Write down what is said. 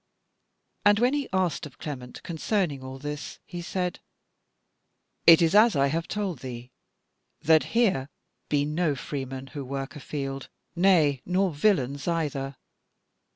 And when he asked of Clement concerning all this, he said: "It is as I have told thee, that here be no freemen who work afield, nay, nor villeins either.